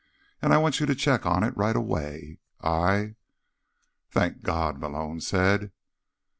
"And I want you to check on it right away. I—" "Thank God," Malone said.